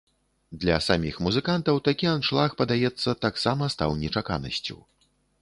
Для саміх музыкантаў такі аншлаг, падаецца, таксама стаў нечаканасцю.